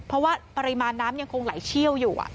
เพราะว่าปริมาณน้ำยังคงไหลเชี่ยวอยู่